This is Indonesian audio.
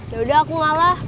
yaudah aku ngalah